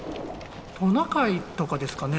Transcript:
トナカイとかですかね？